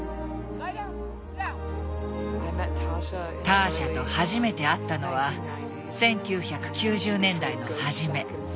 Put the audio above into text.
ターシャと初めて会ったのは１９９０年代の初め。